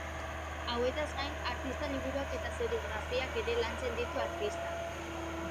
Hauetaz gain, artista liburuak eta serigrafiak ere lantzen ditu artistak.